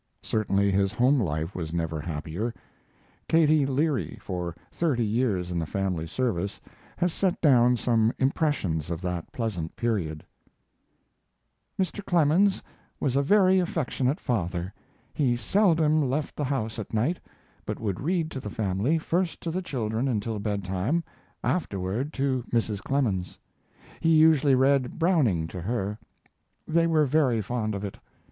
Certainly his home life was never happier. Katie Leary, for thirty years in the family service, has set down some impressions of that pleasant period. Mr. Clemens was a very affectionate father. He seldom left the house at night, but would read to the family, first to the children until bedtime, afterward to Mrs. Clemens. He usually read Browning to her. They were very fond of it.